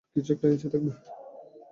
কিছু একটা নিশ্চয়ই থাকবে।